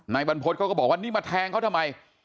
บรรพฤษเขาก็บอกว่านี่มาแทงเขาทำไม